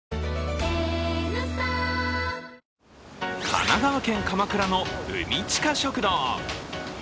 神奈川県・鎌倉の海チカ食堂。